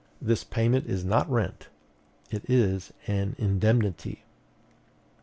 This payment is not rent, it is an indemnity.